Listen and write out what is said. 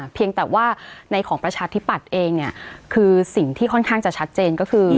เพียงแต่ว่าในของประชาธิปัตย์เองเนี่ยคือสิ่งที่ค่อนข้างจะชัดเจนก็คือ